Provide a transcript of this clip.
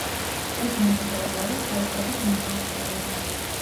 ვებ-მასტერი არის საიტების „მმართველი“.